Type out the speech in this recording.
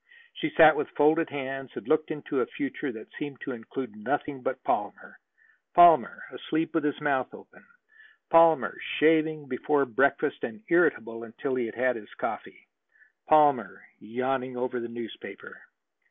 She sat with folded hands and looked into a future that seemed to include nothing but Palmer: Palmer asleep with his mouth open; Palmer shaving before breakfast, and irritable until he had had his coffee; Palmer yawning over the newspaper.